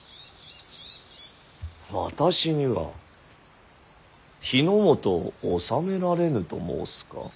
私には日本を治められぬと申すか。